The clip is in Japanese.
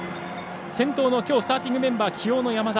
先頭のきょうスターティングメンバー起用の山田。